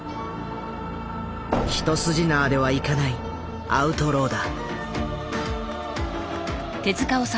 一筋縄ではいかないアウトローだ。